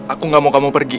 aku gak mau kamu pergi